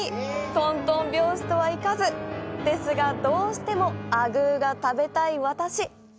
とんとん拍子とはいかずですが、どうしてもあぐーが食べたい私。